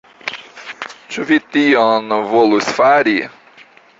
Ĉu vi tion volus fari?